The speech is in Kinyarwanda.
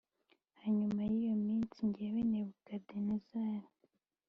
Hanyuma y iyo minsi jyewe Nebukadinezari